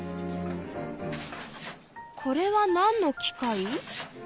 これはなんの機械？